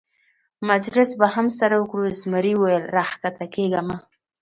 مجلس به هم سره وکړو، زمري وویل: را کښته کېږه مه.